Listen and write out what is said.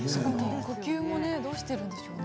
呼吸もどうしているんでしょう？